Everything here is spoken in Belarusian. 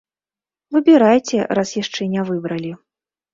Выбірайце, раз яшчэ не выбралі.